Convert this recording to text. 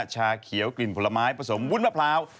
ชาเขียวกลิ่นผลไม้ผสมวุ้นมะพร้าว